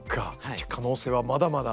じゃあ可能性はまだまだ？